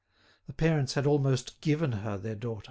The parents had almost given her their daughter.